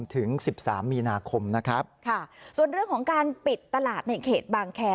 ถึง๑๓มีนาคมค่ะส่วนเรื่องของการปิดตลาดในเขตบางแคล์